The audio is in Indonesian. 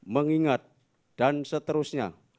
mengingat dan seterusnya